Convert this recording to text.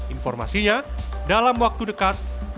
informasinya dalam waktu dekat bus bus listrik tersebut